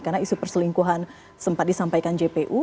karena isu perselingkuhan sempat disampaikan jpu